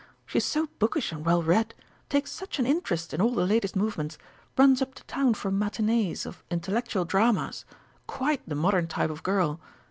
She's so bookish and well read, takes such an interest in all the latest movements runs up to town for matinées of intellectual dramas quite the modern type of girl.